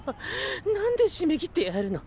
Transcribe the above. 何で閉め切ってやるの？